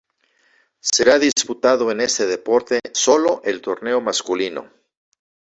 Será disputado en este deporte solo el torneo masculino.